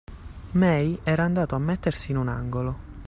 May era andata a mettersi in un angolo